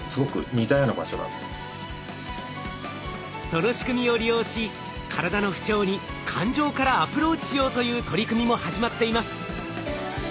その仕組みを利用し体の不調に感情からアプローチしようという取り組みも始まっています。